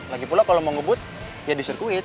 lagipula kalo mau ngebut ya di sirkuit